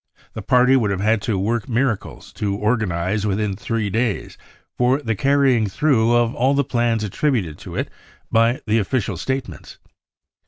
The party would have had to work miracles to organise within three days for the carrying through of all the plans attributed to it by the official statements.